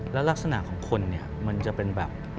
แล้วลักษณะของคนเนี่ยมันจะเป็นแบบ